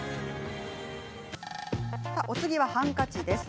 お次はハンカチです。